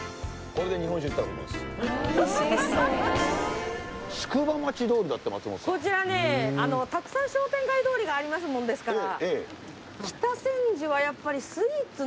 こちらねたくさん商店街通りがありますもんですから。